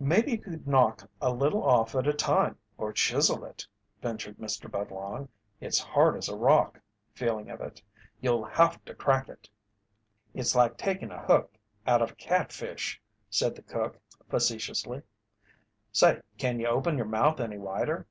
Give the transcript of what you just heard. "Maybe you could knock a little off at a time or chisel it," ventured Mr. Budlong. "It's hard as a rock," feeling of it. "You'll have to crack it." "It's like taking a hook out of a cat fish," said the cook, facetiously. "Say, can you open your mouth any wider?"